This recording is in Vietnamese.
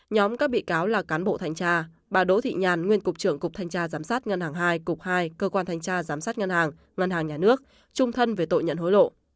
nhóm các bị cáo là cán bộ thanh tra bà đỗ thị nhàn nguyên cục trưởng cục thanh tra giám sát ngân hàng hai cục hai cơ quan thanh tra giám sát ngân hàng ngân hàng nhà nước trung thân về tội nhận hối lộ